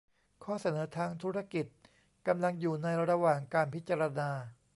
ข้อเสนอทางธุรกิจกำลังอยู่ในระหว่างการพิจารณา